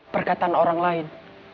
perkataan orang lain